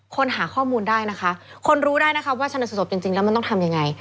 หาข้อมูลได้นะคะคนรู้ได้นะคะว่าชนสบจริงแล้วมันต้องทำยังไง